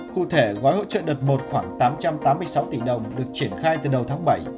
cụ thể gói hỗ trợ đợt một khoảng tám trăm tám mươi sáu tỷ đồng được triển khai từ đầu tháng bảy